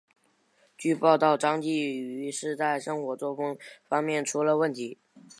据报道张继禹是在生活作风方面出了问题。